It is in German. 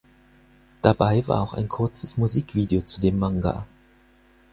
Dabei war auch ein kurzes Musikvideo zu dem Manga.